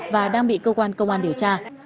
và đang bị cơ quan công an điều tra